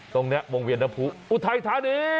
ตรงนี้วงเวียนภูอุทัยธานี